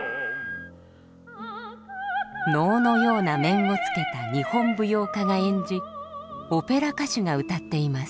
能のような面をつけた日本舞踊家が演じオペラ歌手が歌っています。